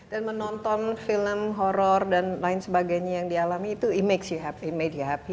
dan menonton film horror dan lain sebagainya yang dialami itu membuat kamu bahagia atau apa